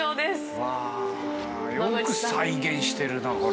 うわよく再現してるなこれ。